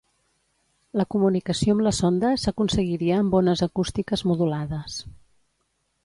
La comunicació amb la sonda s'aconseguiria amb ones acústiques modulades.